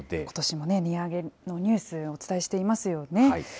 ことしも利上げのニュース、お伝えしていますよね。